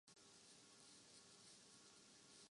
حالانکہ بات بنتی دکھائی نہیں دیتی۔